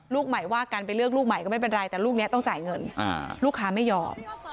ลูกใหม่ว่ากันไปเลือกลูกใหม่ก็ไม่เป็นไรแต่ลูกนี้ต้องจ่ายเงินลูกค้าไม่ยอม